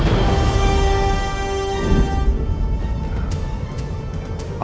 om irfan emang dengerin kamu